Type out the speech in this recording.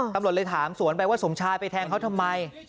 ตำรวจเลยถามสวนไปว่าสมชายไปแทงเขาทำไม